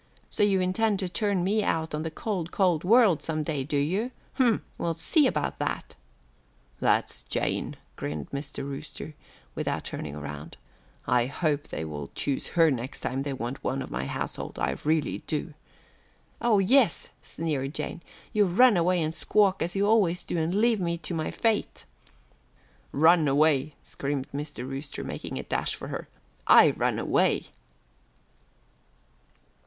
So you intend to turn me out on the cold, cold world some day, do you? Hm! we'll see about that." "That's Jane," grinned Mr. Rooster, without turning around, "I hope they will choose her the next time they want one of my household, I really do." "Oh, yes," sneered Jane, "you'll run away and squawk as you always do, and leave me to my fate." "Run away," screamed Mr. Rooster making a dash for her, "I run away!"